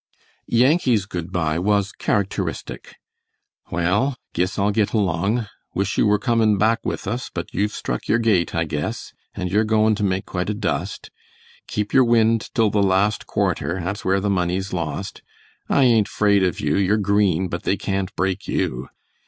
Yankee's good by was characteristic. "Well, guess I'll git along. Wish you were comin' back with us, but you've struck your gait, I guess, and you're goin' to make quite a dust. Keep your wind till the last quarter; that's where the money's lost. I ain't 'fraid of you; you're green, but they can't break you.